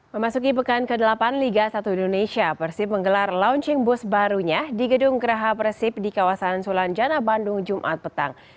memasuki pekan ke delapan liga satu indonesia persib menggelar launching bus barunya di gedung geraha persib di kawasan sulanjana bandung jumat petang